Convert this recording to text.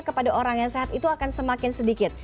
kepada orang yang sehat itu akan semakin sedikit